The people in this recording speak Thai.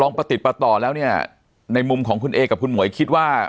ประติดประต่อแล้วเนี่ยในมุมของคุณเอกับคุณหมวยคิดว่า